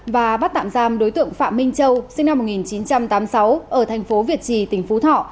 và bắt tạm giam đối tượng phạm minh châu sinh năm một nghìn chín trăm tám mươi sáu ở thành phố việt trì tỉnh phú thọ